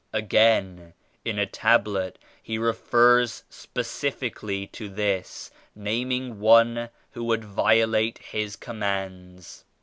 Again in a Tablet He refers specifically to this, naming one who would violate His Commands.